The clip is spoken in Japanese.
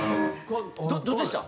どっちでした？